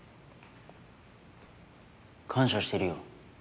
感謝してるよ。